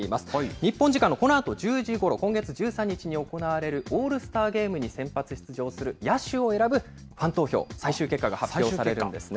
日本時間のこのあと１０時ごろ、今月１３日に行われるオールスターゲームに先発出場する野手を選ぶファン投票、最終結果が発表されるんですね。